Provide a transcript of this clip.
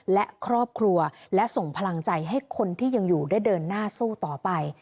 และครอบครัวและส่งพลังใจให้คนที่ยังอยู่ได้เดินหน้าสู้ต่อไป